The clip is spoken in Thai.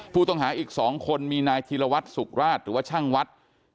ผู้ต้องหาอีก๒คนมีนายธีรวัตรสุขราชหรือว่าช่างวัด